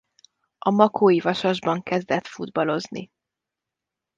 A Makói Vasasban kezdett futballozni.